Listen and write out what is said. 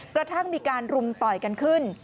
กระทั่งมีการรุมต่อยกันขึ้น